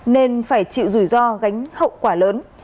nên phải chịu rủi ro gánh hậu quả lớn